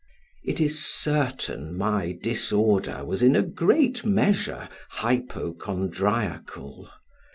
It is certain my disorder was in a great measure hypochondriacal.